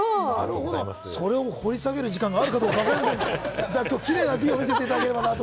それを掘り下げる時間があるかどうか、ちゃんとキレイなＤを見せていただければと。